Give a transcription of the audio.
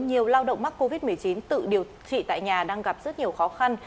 nhiều lao động mắc covid một mươi chín tự điều trị tại nhà đang gặp rất nhiều khó khăn